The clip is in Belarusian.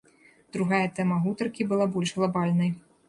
Другая тэма гутаркі была больш глабальнай.